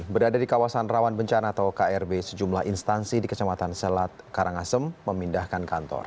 berada di kawasan rawan bencana atau krb sejumlah instansi di kecamatan selat karangasem memindahkan kantor